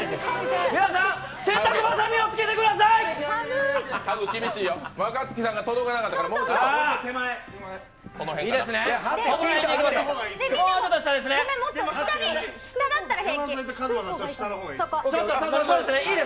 皆さん、洗濯ばさみをつけてください！